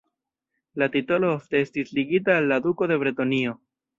La titolo ofte estis ligita al la duko de Bretonio.